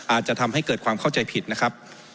อาจจะทำให้เกิดความเข้าใจผิดนะครับ